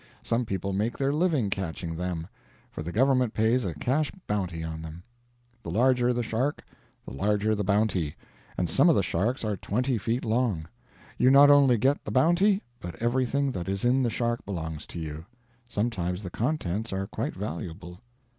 Some people make their living catching them; for the Government pays a cash bounty on them. The larger the shark the larger the bounty, and some of the sharks are twenty feet long. You not only get the bounty, but everything that is in the shark belongs to you. Sometimes the contents are quite valuable.